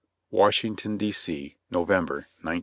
Washington, D. C, November, 1904.